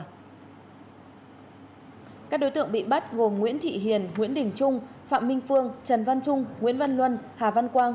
các đối tượng bị bắt gồm nguyễn thị hiền nguyễn đình trung phạm minh phương trần văn trung nguyễn văn luân hà văn quang